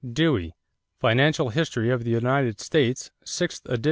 = Dewey, Financial History of the United States (6th ed.)